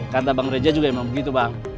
karena bang reza juga emang begitu bang